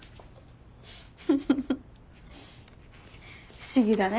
不思議だね。